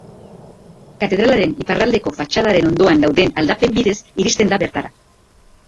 Katedralaren iparraldeko fatxadaren ondoan dauden aldapen bidez iristen da bertara.